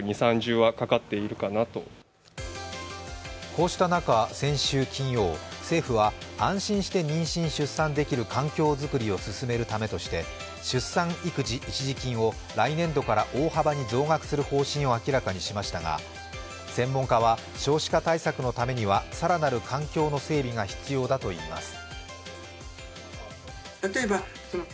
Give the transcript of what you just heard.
こうした中、先週金曜政府は安心して妊娠・出産できる環境づくりを進めるためとして出産育児一時金を来年度から増額する方針を明らかにしましたが専門家は少子化対策のためには更なる環境の整備が必要だといいます。